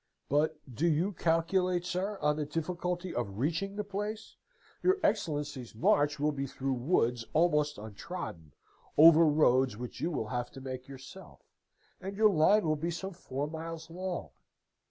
But do you calculate, sir, on the difficulty of reaching the place? Your Excellency's march will be through woods almost untrodden, over roads which you will have to make yourself, and your line will be some four miles long.